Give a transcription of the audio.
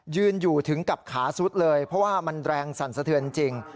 ยืนอยู่ถึงกับขาซุดเลยเพราะว่ามันแรงสั่นสะเทือนจริง